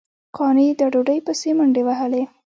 قانع د ډوډۍ پسې منډې وهلې.